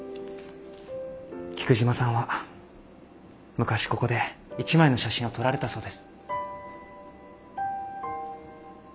菊島さんは昔ここで１枚の写真を撮られたそうです。